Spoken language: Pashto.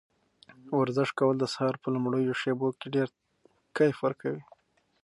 ورزش کول د سهار په لومړیو شېبو کې ډېر کیف ورکوي.